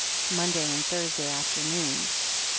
Monday and Thursday afternoons.